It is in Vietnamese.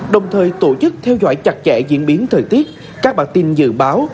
đồng thời tổ chức theo dõi chặt chẽ diễn biến thời tiết các bản tin dự báo